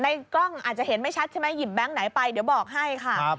กล้องอาจจะเห็นไม่ชัดใช่ไหมหยิบแบงค์ไหนไปเดี๋ยวบอกให้ค่ะ